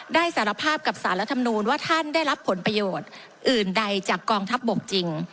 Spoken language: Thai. สารภาพกับสารรัฐมนูลว่าท่านได้รับผลประโยชน์อื่นใดจากกองทัพบกจริง